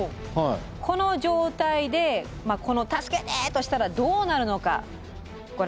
この状態でこの「助けて」としたらどうなるのかご覧ください。